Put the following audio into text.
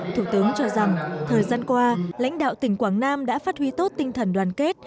thủ tướng cho rằng thời gian qua lãnh đạo tỉnh quảng nam đã phát huy tốt tinh thần đoàn kết